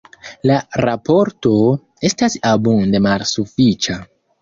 La raporto estas abunde malsufiĉa.